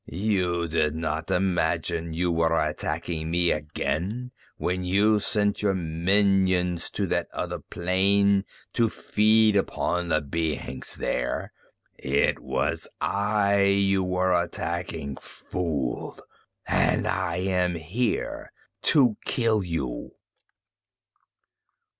You did not imagine you were attacking me again when you sent your minions to that other plane to feed upon the beings there. It was I you were attacking, fool, and I am here to kill you."